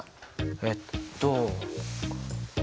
えっと。